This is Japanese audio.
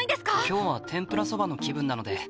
今日は天ぷらそばの気分なので。